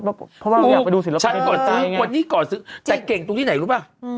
เพราะว่าอยากไปดูศิลป์ศิลป์นี้ก่อนซื้อแต่เก่งตรงที่ไหนรู้ป่ะ